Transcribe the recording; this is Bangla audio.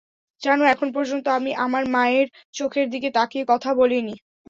জানো, এখন পর্যন্ত আমি আমার মায়ের চোঁখের দিকে তাকিয়ে কথা বলিনি?